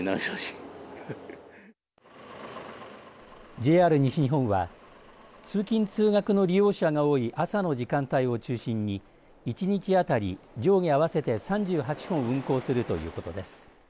ＪＲ西日本は通勤通学の利用者が多い朝の時間帯を中心に１日当たり上下合わせて３８本運行するということです。